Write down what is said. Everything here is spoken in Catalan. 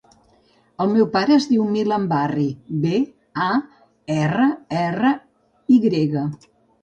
El meu pare es diu Milan Barry: be, a, erra, erra, i grega.